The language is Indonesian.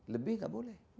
lebih tidak boleh